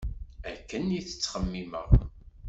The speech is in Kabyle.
Akken i s-ttxemmimeɣ.